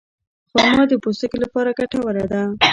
خرما د پوستکي لپاره ګټوره ده.